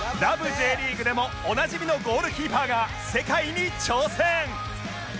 Ｊ リーグ』でもおなじみのゴールキーパーが世界に挑戦！